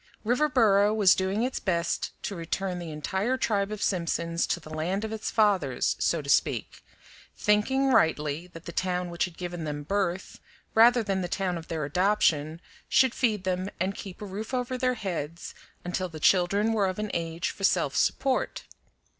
Riverboro was doing its best to return the entire tribe of Simpsons to the land of its fathers, so to speak, thinking rightly that the town which had given them birth, rather than the town of their adoption, should feed them and keep a roof over their heads until the children were of an age for self support.